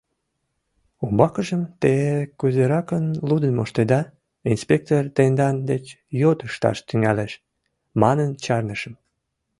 Умбакыжым, те кузеракын лудын моштеда, инспектор тендан деч йод ышташ тӱҥалеш, — манын чарнышым.